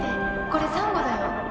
これサンゴだよ。